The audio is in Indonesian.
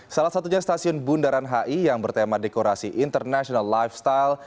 salah satunya stasiun bundaran hi yang bertema dekorasi international lifestyle